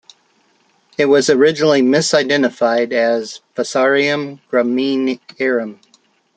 It was originally misidentified as "Fusarium graminearum".